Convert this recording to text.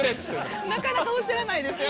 なかなかおっしゃらないですよね。